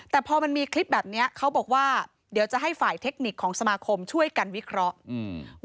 แต่พอมันมีคลิปแบบเนี้ยเขาบอกว่าเดี๋ยวจะให้ฝ่ายเทคนิคของสมาคมช่วยกันวิเคราะห์อืม